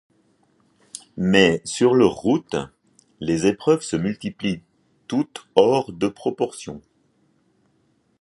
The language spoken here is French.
Mais, sur leur route, les épreuves se multiplient, toutes hors de proportion.